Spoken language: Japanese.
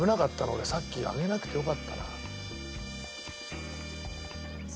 俺さっき挙げなくてよかったな。